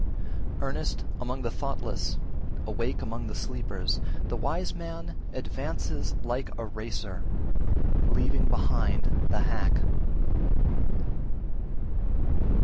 29. Earnest among the thoughtless, awake among the sleepers, the wise man advances like a racer, leaving behind the hack.